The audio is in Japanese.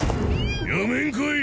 やめんかい！